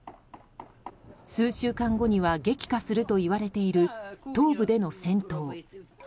数週間後には激化するといわれている東部での戦闘。